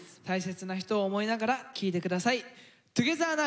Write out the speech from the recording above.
大切な人を思いながら聴いて下さい。